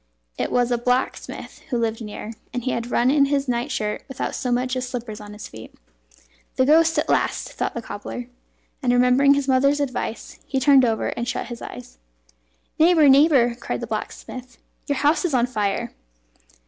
It was a blacksmith who lived near, and he had run in in his night shirt without so much as slippers on his feet. "The ghost at last!" thought the cobbler, and, remembering his mother's advice, he turned over and shut his eyes. "Neighbour! neighbour!" cried the blacksmith, "your house is on fire!"